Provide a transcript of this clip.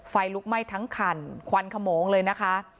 ไฟลุกไหม้ทั้งคันควันขโมงเลยนะคะ